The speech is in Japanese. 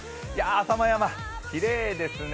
浅間山きれいですね。